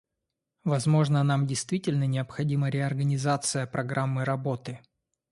Возможно, нам действительно необходима реорганизация программы работы.